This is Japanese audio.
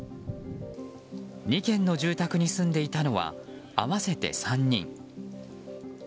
２軒の住宅に住んでいたのは合わせて３人。